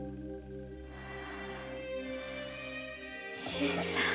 新さん。